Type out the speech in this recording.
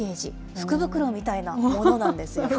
福袋みたいなものなんですよ。